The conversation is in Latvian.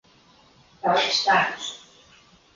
Taupi spēkus.